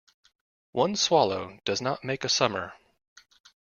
One swallow does not make a summer.